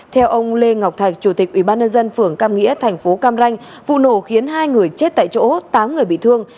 theo ông lê ngọc thạch chủ tịch ubnd phường cam nghĩa thành phố cam ranh vụ nổ khiến hai người chết tại chỗ tám người bị thương